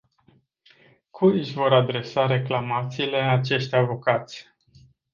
Cui își vor adresa reclamațiile acești avocați?